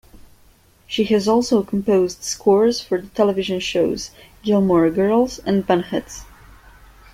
She has also composed scores for the television shows "Gilmore Girls" and "Bunheads".